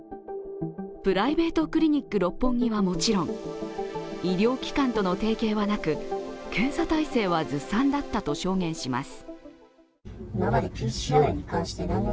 プライベートクリニック六本木はもちろん医療機関との提携はなく検査体制はずさんだったと証言します。